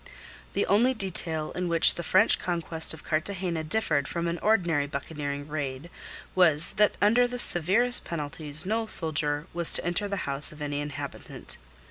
The only detail in which the French conquest of Cartagena differed from an ordinary buccaneering raid was that under the severest penalties no soldier was to enter the house of any inhabitant.